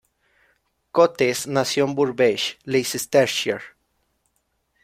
Cotes nació en Burbage, Leicestershire.